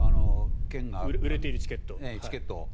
売れているチケット。